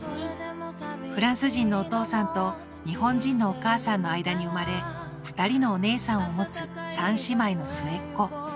フランス人のお父さんと日本人のお母さんの間に生まれ２人のお姉さんを持つ３姉妹の末っ子。